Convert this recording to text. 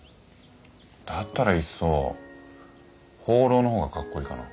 だったらいっそ放浪の方がカッコイイかな。